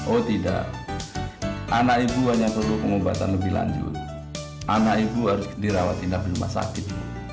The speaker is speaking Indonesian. oh tidak anak ibu hanya perlu pengobatan lebih lanjut anak ibu harus dirawat inap di rumah sakit